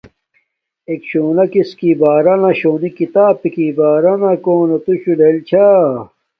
ایک شونا سکی بارانا یا شونی کتابی کی بارانا منتا کونو تو شو لیل چھا۔